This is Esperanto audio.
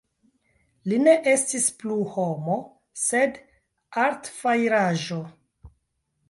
Li ne estis plu homo, sed artfajraĵo.